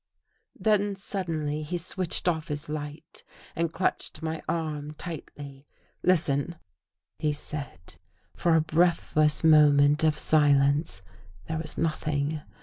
Then suddenly he switched off his light and clutched my arm tightly. " Listen !" he said. For a breathless moment of silence there was nothing.